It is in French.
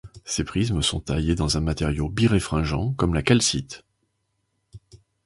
Ces prismes sont taillés dans un matériau biréfringent, comme la calcite.